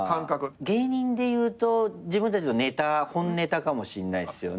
芸人でいうと自分たちのネタ本ネタかもしんないっすよね。